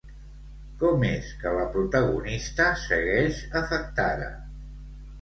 Com és que la protagonista segueix afectada?